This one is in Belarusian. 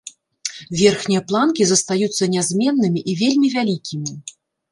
Верхнія планкі застаюцца нязменнымі і вельмі вялікімі.